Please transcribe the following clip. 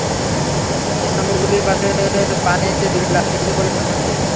স্তম্ভগুলির পাশে পানিতে দুটি লাশ রয়েছে বলে মনে হচ্ছে।